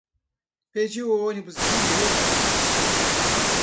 Perdi o ônibus de novo.